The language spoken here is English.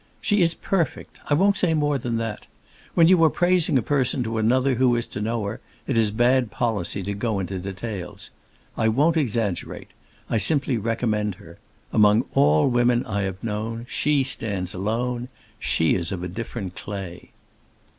"She is perfect! I won't say more than that. When you are praising a person to another who is to know her, it is bad policy to go into details. I won't exaggerate. I simply recommend her. Among all women I have known she stands alone; she is of a different clay."